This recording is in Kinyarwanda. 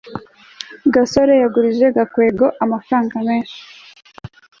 gasore yagujije gakwego amafaranga menshi